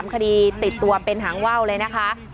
คดีติดตัวเป็นหางว่าวเลยนะคะ